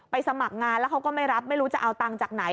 สมัครงานแล้วเขาก็ไม่รับไม่รู้จะเอาตังค์จากไหน